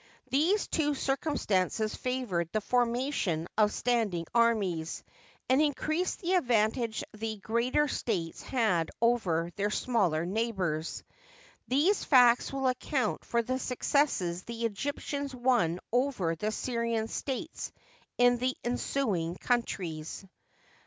These two circumstances favored the formation of standing armies, and increased the advantage the greater states had over their smaller neighbors. These facts will account for the successes the Egyptians won over the Syrian states in the ensuing centuries.